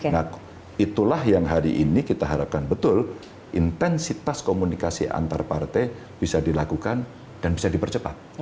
nah itulah yang hari ini kita harapkan betul intensitas komunikasi antar partai bisa dilakukan dan bisa dipercepat